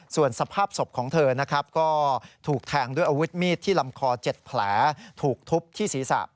ส่วนสภาพศพของเธอนะครับก็ถูกแทงด้วยอาวุธมีดที่ลำคอ๗แผลถูกทุบที่ศีรษะ